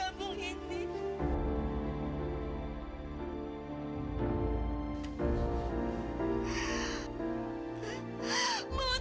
jangan berlalu didinggir setelah perjalanan ke rumah